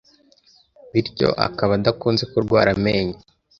bityo akaba adakunze kurwara amenyo.